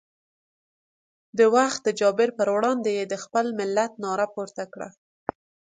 د وخت د جابر پر وړاندې یې د خپل ملت ناره پورته کړه.